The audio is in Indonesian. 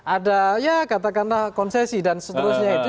ada ya katakanlah konsesi dan seterusnya itu